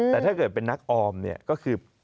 แต่ถ้าเกิดเป็นนักออมเนี่ยก็คือ